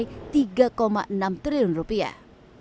maka uang yang masuk kantong pengembang mencapai tiga enam triliun rupiah